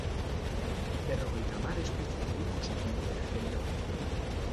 Berrogeita hamar espezie inguruk osatzen dute generoa.